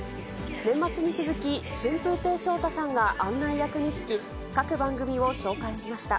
年末に続き、春風亭昇太さんが案内役に就き、各番組を紹介しました。